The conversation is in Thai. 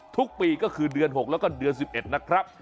ทุกปีก็คือเดือน๖แล้วก็เดือน๑๑นะครับ